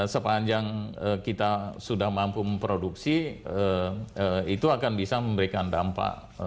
sepanjang kita sudah mampu memproduksi itu akan bisa memberikan dampak